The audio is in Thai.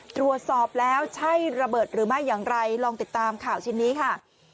ตรวจสอบแล้วใช่ระเบิดหรือไม่อย่างไรลองติดตามข่าวชิ้นนี้ค่ะ